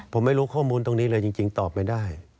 ผมไม่รู้ข้อมูลตรงนี้เลยจริงตอบไม่ได้